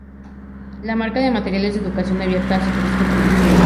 La marca de materiales de Educación abierta hace tres contribuciones.